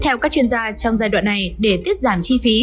theo các chuyên gia trong giai đoạn này để tiết giảm chi phí